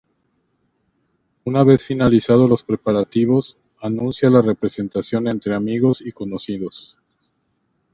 Una vez finalizados los preparativos, anuncia la representación entre amigos y conocidos.